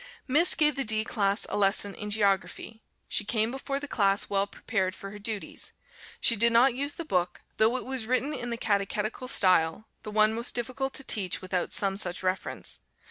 Miss gave the D class a lesson in Geography. She came before the class well prepared for her duties. She did not use the book, though it was written in the catechetical style the one most difficult to teach without some such reference.